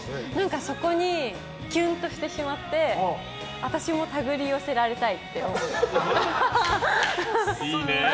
そこにキュンとしてしまって私もたぐり寄せられたいって思う。